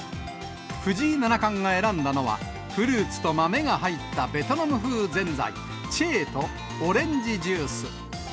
藤井七冠が選んだのは、フルーツと豆が入ったベトナム風ぜんざい、チェーとオレンジジュース。